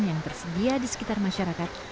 yang tersedia di sekitar masyarakat